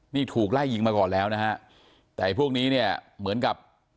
นี่ถูกไล่ยิงมาก่อนแล้วนะฮะแต่พวกนี้เนี่ยเหมือนกับ